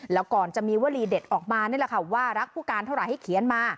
แล้วก่อนจะมีวลีเด็ดออกมานี่แหละค่ะว่ารักผู้การเท่าไหร่ให้เขียนมา